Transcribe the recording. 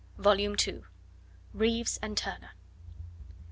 Volume II. (Reeves and Turner.)